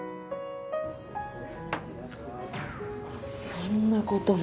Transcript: そんなことも。